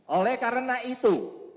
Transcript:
oleh karena itu